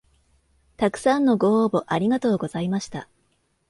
たくさんのご応募ありがとうございました